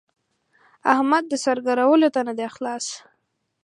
احمد د سر ګرولو ته نه دی خلاص.